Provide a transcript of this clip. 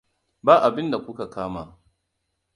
Ba abinda kuka kama.